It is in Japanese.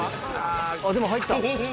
でも入った。